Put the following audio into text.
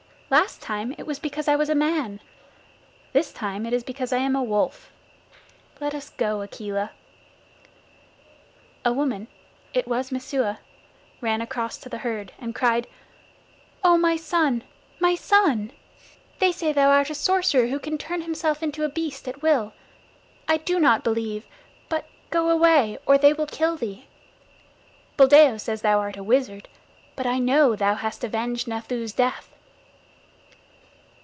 Last time it was because I was a man. This time it is because I am a wolf. Let us go, Akela." A woman it was Messua ran across to the herd, and cried: "Oh, my son, my son! They say thou art a sorcerer who can turn himself into a beast at will. I do not believe, but go away or they will kill thee. Buldeo says thou art a wizard, but I know thou hast avenged Nathoo's death."